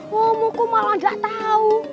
ngomongku malah gak tau